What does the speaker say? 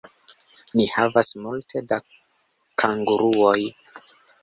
Ni havas multe da kanguruoj